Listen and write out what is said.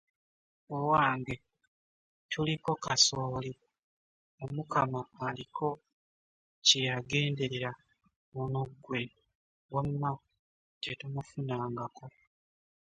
Owange, tuliko kasooli, Omukama aliko kye yagenderera, ono ggwe wamma tetumufunangako.